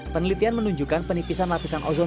penelitian menunjukkan penipisan lapisan ozon